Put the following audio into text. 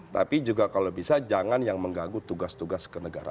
tapi juga kalau bisa jangan yang menggaguh tugas tugas ke negara